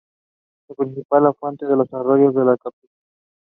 It flowers from March to May and fruits in July.